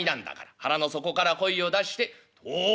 腹の底から声を出して『高』」。